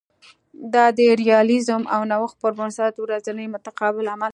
دا د ریالیزم او نوښت پر بنسټ ورځنی متقابل عمل دی